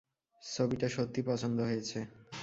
ছবিটা সত্যিই পছন্দ হয়েছে।